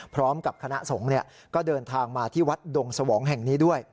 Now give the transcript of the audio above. พร้อมกับคณะสงฆ์ก็เดินทางมาที่วัดดงสวองแห่งนี้ด้วย